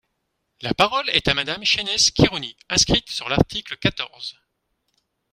La parole est à Madame Chaynesse Khirouni, inscrite sur l’article quatorze.